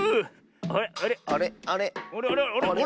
あれあれ？